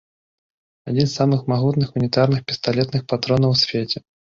Адзін з самых магутных унітарных пісталетных патронаў у свеце.